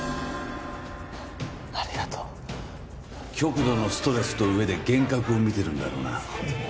「ありがとう」極度のストレスと飢えで幻覚を見てるんだろうな。